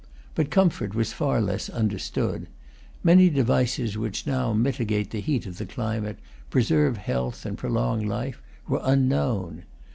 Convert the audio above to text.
But comfort was far less understood. Many devices which now mitigate the heat of the climate, preserve health, and prolong life, were unknown.